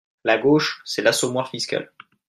La gauche, c’est l’assommoir fiscal.